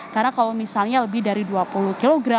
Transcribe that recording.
karena kalau misalnya lebih dari dua puluh kg